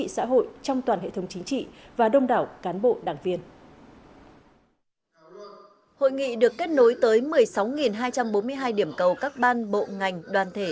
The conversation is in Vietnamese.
xin chào các bạn